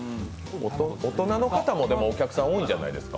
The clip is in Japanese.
大人の方もお客さん多いんじゃないですか？